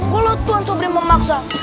kalau tuan sobri memaksa